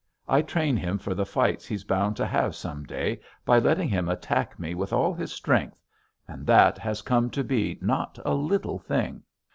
I train him for the fights he's bound to have some day by letting him attack me with all his strength; and that has come to be not a little thing.